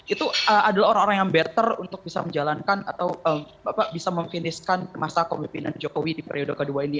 itu adalah orang orang yang better untuk bisa menjalankan atau bisa memfinishkan masa kemimpinan jokowi di periode kedua ini